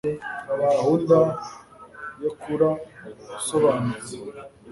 gahunda yo kura usobanutse